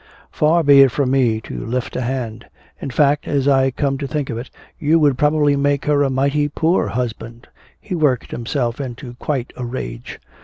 Far be it from me to lift a hand! In fact, as I come to think of it, you would probably make her a mighty poor husband!" He worked himself into quite a rage.